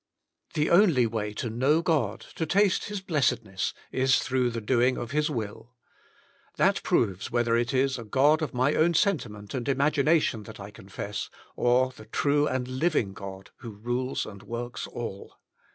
The Only Way to Know God, to Taste His Blessed ness^ Is Through the Doing of His Will. That proves whether it is a God of my own sentiment and imagination that I confess, or the true and living God who rules and works all.